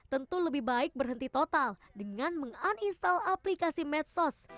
tentu lebih baik berhenti total dengan menginstal aplikasi medsos